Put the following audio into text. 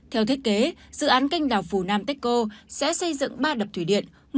theo thiết kế dự án kênh đảo phunanteco sẽ xây dựng ba đập thủy điện